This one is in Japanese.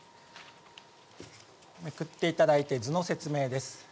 めくっていただいて、図の説明です。